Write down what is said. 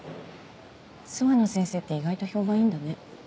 諏訪野先生って意外と評判いいんだね。